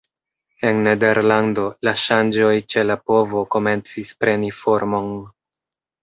En Nederlando, la ŝanĝoj ĉe la povo komencis preni formon.